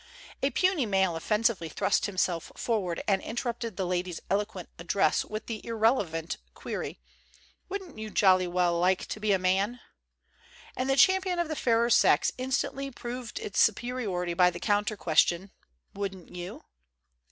A puny male offensively thrust himself forward and interrupted the lady's eloquent address with the irrelevant query, "Wouldn't you jolly well like to be a man?" And the champion of the fair sex instantly proved its superiority by the counter question, "Wouldn't you?"